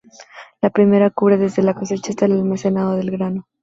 La primera cubre desde la cosecha hasta el almacenado del grano.